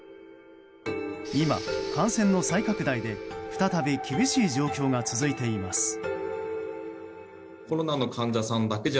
今、感染の再拡大で再び厳しい状況が続いています。